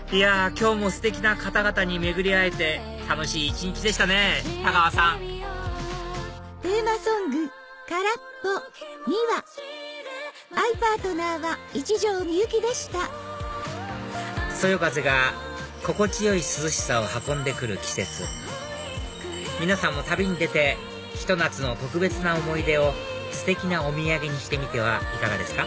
今日もステキな方々に巡り合えて楽しい一日でしたね太川さんそよ風が心地よい涼しさを運んでくる季節皆さんも旅に出てひと夏の特別な思い出をステキなお土産にしてみてはいかがですか？